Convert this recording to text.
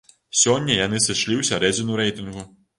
Сёння яны сышлі ў сярэдзіну рэйтынгу.